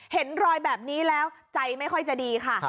เห็นรอยแบบนี้แล้วใจไม่ค่อยจะดีค่ะ